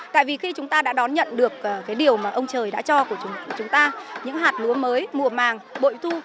tại vì khi chúng ta đã đón nhận được cái điều mà ông trời đã cho của chúng ta những hạt lúa mới mùa màng bội thu